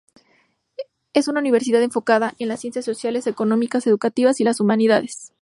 Es una universidad enfocada a las ciencias sociales, económicas, educativas, y las humanidades.